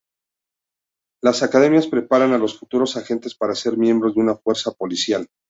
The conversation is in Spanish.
Las academias preparan a los futuros agentes para ser miembros de una fuerza policial.